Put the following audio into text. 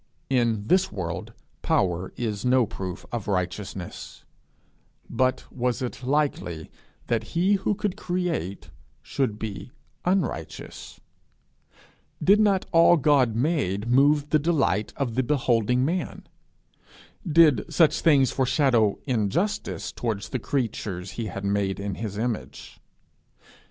In this world power is no proof of righteousness; but was it likely that he who could create should be unrighteous? Did not all he made move the delight of the beholding man? Did such things foreshadow injustice towards the creature he had made in his image?